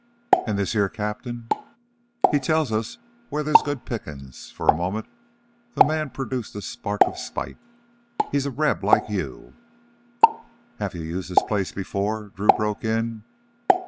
"An' this heah cap'n?" "He tells us wheah thar's good pickin's." For a moment the man produced a spark of spite. "He's a Reb, like you " "Have you used this place before?" Drew broke in.